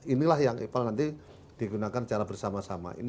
inilah yang ipal nanti digunakan secara bersama sama